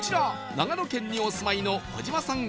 長野県にお住まいの小嶋さん